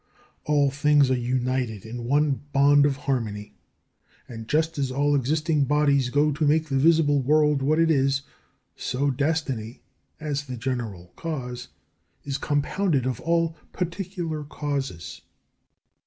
All things are united in one bond of harmony; and just as all existing bodies go to make the visible world what it is, so destiny, as the general cause, is compounded of all particular causes.